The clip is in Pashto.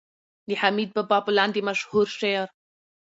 د حميد بابا په لاندې مشهور شعر